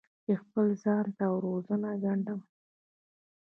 چې خپل ځان ته وزرونه ګنډم